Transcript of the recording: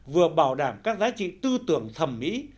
vừa bảo đảm các giá trị tư tưởng thẩm mỹ